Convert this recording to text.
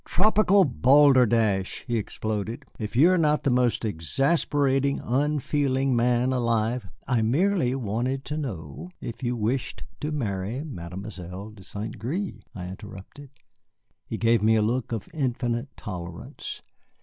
"Tropical balderdash," he exploded. "If you are not the most exasperating, unfeeling man alive " "I merely wanted to know if you wished to marry Mademoiselle de St. Gré," I interrupted. He gave me a look of infinite tolerance.